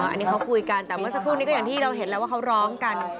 อันนี้เขาคุยกันแต่เมื่อสักครู่นี้ก็อย่างที่เราเห็นแล้วว่าเขาร้องกัน